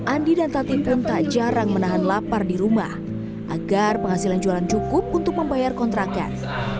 andi dan tati pun tak jarang menahan lapar di rumah agar penghasilan jualan cukup untuk membayar kontrakan